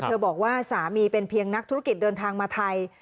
บอกว่าสามีเป็นเพียงนักธุรกิจเดินทางมาไทย